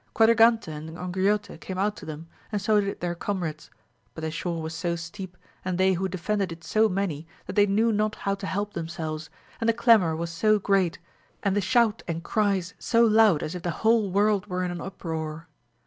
Quadragante and Angriote came out to them, and so did their comrades ; but the shore was so. steep, and they who defended it so many, that they knew not how to help themselves, and the clamour was so great, and the shout and cries so loud as if the whole world were in an uproar.